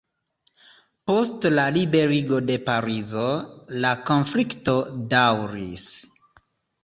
Post la liberigo de Parizo, la konflikto daŭris.